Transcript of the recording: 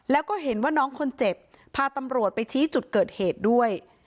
แล้วก็เห็นว่าน้องคนเจ็บพาตำรวจไปชี้จุดเกิดเหตุด้วย